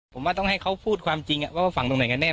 ผมว่าต้องให้เขาพูดความจริงว่าฝั่งตรงไหนกันแน